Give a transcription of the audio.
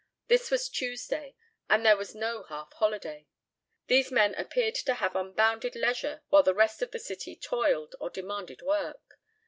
This was Tuesday and there was no half holiday. These men appeared to have unbounded leisure while the rest of the city toiled or demanded work.